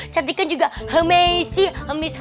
cantiknya juga hemesi hemes